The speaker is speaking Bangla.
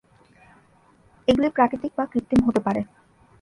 এগুলি প্রাকৃতিক বা কৃত্রিম হতে পারে।